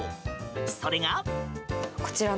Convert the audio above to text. それが。